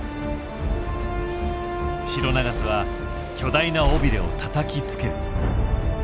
シロナガスは巨大な尾びれをたたきつける。